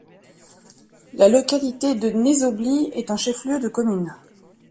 La localité de Nézobly est un chef-lieu de commune.